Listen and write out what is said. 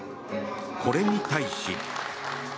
これに対し。